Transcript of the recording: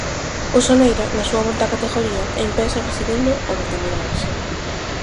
O Soneira, na súa volta á categoría, empeza recibindo o Bertamiráns.